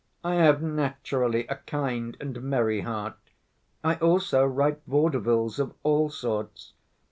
I have naturally a kind and merry heart. 'I also write vaudevilles of all sorts.